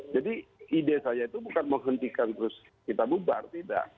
jadi ide saya itu bukan menghentikan terus kita bubar tidak